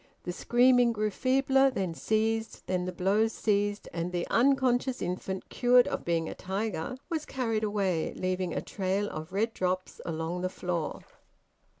The screaming grew feebler, then ceased; then the blows ceased, and the unconscious infant (cured of being a tiger) was carried away leaving a trail of red drops along the floor.